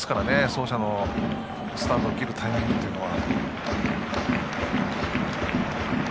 走者のスタートを切るタイミングは。